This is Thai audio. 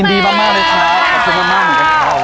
ยินดีมากเลยค่ะขอบคุณมากค่ะ